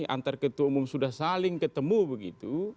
antar ketua umum sudah saling ketemu begitu